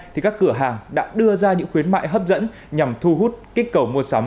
thì các cửa hàng đã đưa ra những khuyến mại hấp dẫn nhằm thu hút kích cầu mua sắm